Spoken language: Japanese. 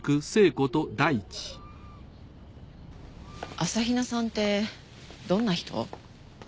朝比奈さんってどんな人？